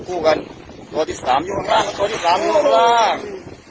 คู่กันตัวที่สามอยู่ข้างล่างตัวที่สามรูปร่าง